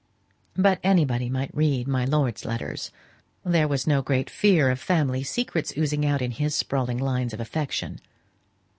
But anybody might read my lord's letters. There was no great fear of family secrets oozing out in his sprawling lines of affection.